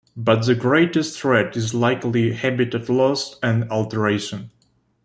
But the greatest threat is likely habitat loss and alteration.